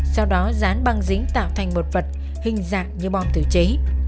sau đó dán băng dính tạo thành một vật hình dạng như bom tự chế